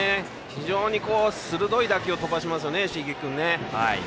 非常に鋭い打球を飛ばしましたね椎木君ね。